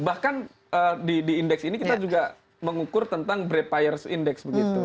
bahkan di indeks ini kita juga mengukur tentang breppired index begitu